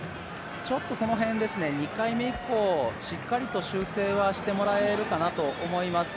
ちょっとその辺、２回目以降、しっかりと修正はしてもらえるかなと思います。